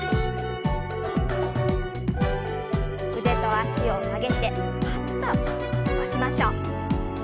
腕と脚を上げてパッと伸ばしましょう。